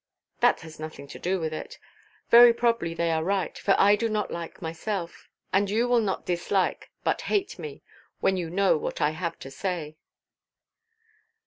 "That has nothing to do with it. Very probably they are right; for I do not like myself. And you will not dislike, but hate me, when you know what I have to say."